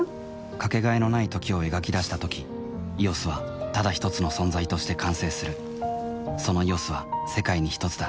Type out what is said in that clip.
かけがえのない「時」を描き出したとき「ＥＯＳ」はただひとつの存在として完成するその「ＥＯＳ」は世界にひとつだ